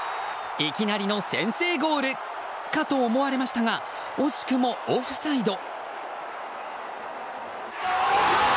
いきなりの先制ゴールかと思われましたが惜しくもオフサイド。